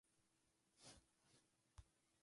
Je absolventkou Juilliard School.